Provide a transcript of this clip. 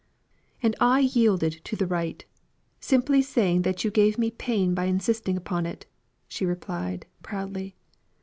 "And I yielded to the right; simply saying that you gave me pain by insisting upon it," she replied, proudly.